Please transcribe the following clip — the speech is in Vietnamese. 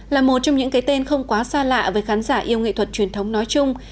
là một trong những cái tên không quá xa lạ với khán giả yêu nghệ thuật truyền thống nói chung